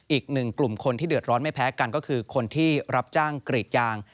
อีกหนึ่งกลุ่มคนที่เดือดร้อนไม่แพ้กันก็คือคนที่รับจ้างกรีดยาง